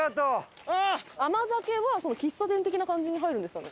甘酒は喫茶店的な感じに入るんですかね？